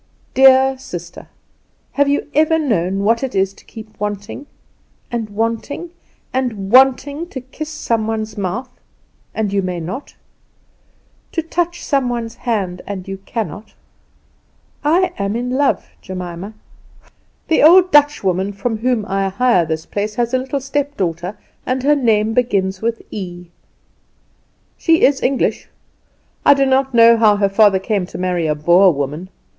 "Dear sister, have you ever known what it is to keep wanting and wanting and wanting to kiss some one's mouth, and you may not; to touch some one's hand, and you cannot? I am in love, Jemima. "The old Dutchwoman from whom I hire this place has a little stepdaughter, and her name begins with 'E'. "She is English. I do not know how her father came to marry a Boer woman.